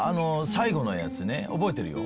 最後のやつね覚えてるよ。